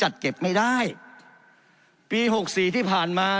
ท่านจัดเก็บไม่ได้ปี๖๔ที่ผ่านมา